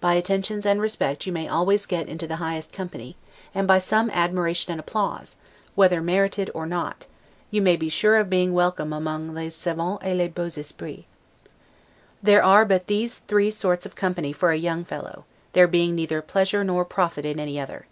By attentions and respect you may always get into the highest company: and by some admiration and applause, whether merited or not, you may be sure of being welcome among 'les savans et les beaux esprits'. There are but these three sorts of company for a young fellow; there being neither pleasure nor profit in any other.